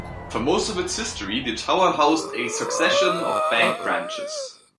For most of its history the tower housed a succession of bank branches.